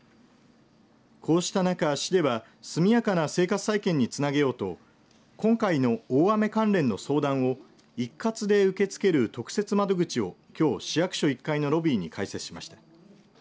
こうした中、市では速やかな生活再建につなげようと今回の大雨関連の相談を一括で受け付ける特設窓口をきょう市役所１階のロビーに開設しました。